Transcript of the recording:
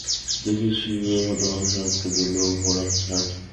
দেখ সিঙ্গি, ঐ হতভাগা শার্টগুলো পরা ছাড়।